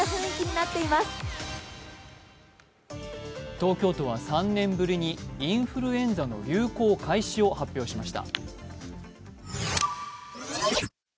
東京都は３年ぶりにインフルエンザの流行開始を発表しました。